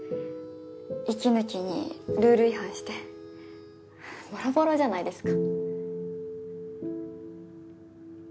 息抜きにルール違反してボロボロじゃないですか。